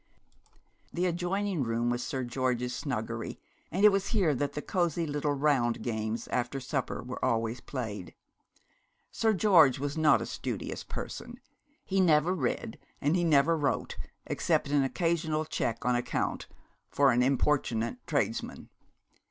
The adjoining room was Sir George's snuggery; and it was here that the cosy little round games after supper were always played. Sir George was not a studious person. He never read, and he never wrote, except an occasional cheque on account, for an importunate tradesman.